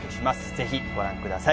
ぜひご覧ください